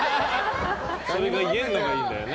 それが言えるのがいいんだよね。